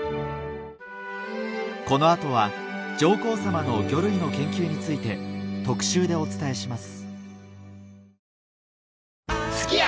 この後は上皇さまの魚類の研究について特集でお伝えします